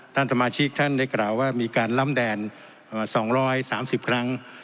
ท่านสมาชิกท่านได้กล่าวว่ามีการล้ำแดดสองร้อยสามสิบครั้ง